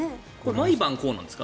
毎晩こうなんですか？